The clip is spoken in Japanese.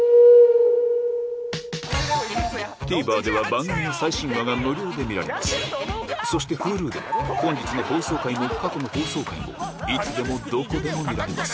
ＴＶｅｒでは番組の最新話が無料で見られますそしてＨｕｌｕでは本日の放送回も過去の放送回もいつでもどこでも見られます